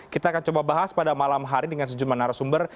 kita akan coba bahas pada malam hari dengan sejumlah narasumber